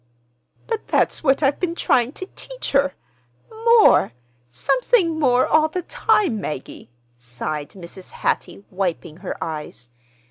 "But that's what I've been trying to teach her—'more,' something more all the time, Maggie," sighed Mrs. Hattie, wiping her eyes.